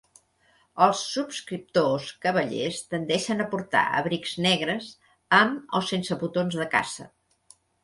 Els subscriptors cavallers tendeixen a portar abrics negres, amb o sense botons de caça.